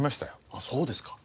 あっそうですか。